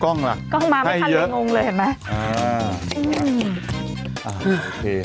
กล้องล่ะกล้องมาไม่ทันเลยงงเลยเห็นไหมอ่าอืมอ่าโอเค